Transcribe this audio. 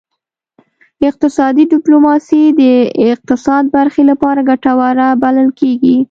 اقتصادي ډیپلوماسي د اقتصاد برخې لپاره ګټوره بلل کیږي